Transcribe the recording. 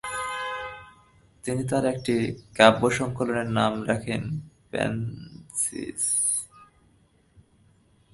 তিনি তার একটি কাব্যসংকলনের নাম রাখেন প্যান্সিজ ।